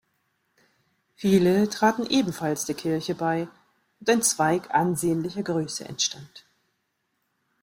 Viele traten ebenfalls der Kirche bei, und ein Zweig ansehnlicher Größe entstand.